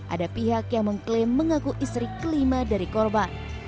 ada pihak yang mengklaim mengaku istri kelima dari korban